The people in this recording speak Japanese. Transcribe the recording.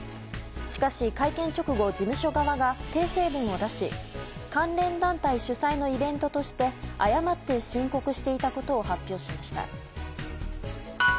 しかし、会見直後事務所側が訂正文を出し関連団体主催のイベントとして誤って申告していたことを発表しました。